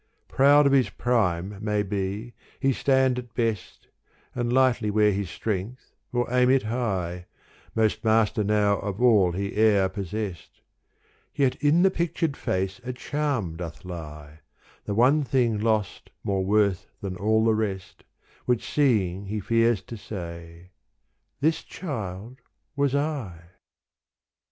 Proud of his prime maybe he stand at best And lightly wear his strength or aim it high, Most master now of all he e'er possest : Yet in the pictured face a charm doth lie, The one thing lost more worth than all the 'rest, Which seeing he fears to say — This child was I.